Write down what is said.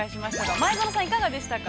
前園さん、いかがでしたか。